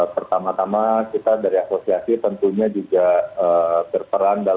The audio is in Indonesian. pertama tama kita dari asosiasi tentunya juga berperan